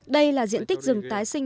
đây là diện tích rừng tái sinh